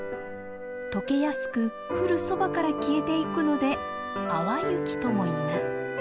解けやすく降るそばから消えていくので淡雪ともいいます。